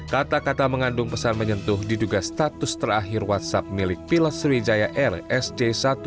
kata kata mengandung pesan menyentuh diduga status terakhir whatsapp milik pilot sriwijaya air sj satu ratus delapan puluh